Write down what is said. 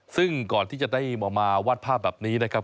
ซึ่งก่อนที่จะได้มาวาดภาพแบบนี้นะครับ